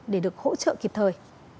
để được hỗ trợ kịp thời